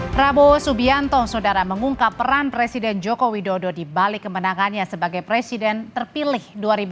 prabowo subianto saudara mengungkap peran presiden jokowi dodo di balik kemenangannya sebagai presiden terpilih dua ribu dua puluh empat